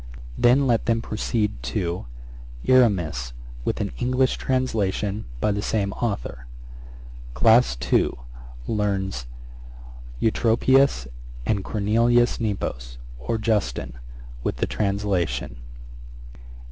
Then let them proceed to: 'Erasmus, with an English translation, by the same authour. 'Class II. Learns Eutropius and Cornelius Nepos, or Justin, with the translation.